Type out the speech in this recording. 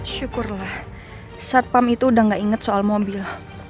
syukurlah saat pam itu udah nggak inget soal mobil